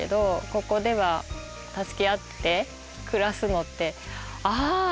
ここでは助け合って暮らすのってああ！